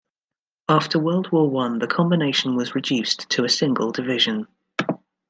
After World War One the Combination was reduced to a single division.